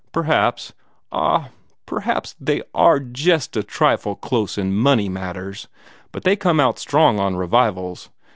Perhaps ah perhaps they ARE jest a trifle close in money matters, but they come out strong on revivals.